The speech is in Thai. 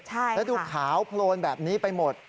ใช่ค่ะแล้วดูขาวโปรดแบบนี้ไปหมด